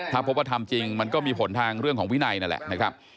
ถ้าพบว่าทำจริงมันก็มีผลทางเรื่องของวินัยนั่นแหละนะครับ